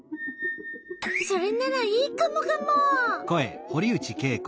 それならいいカモカモ。